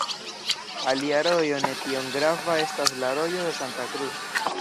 Alia rojo ne tiom grava estas la Rojo de Santa Cruz.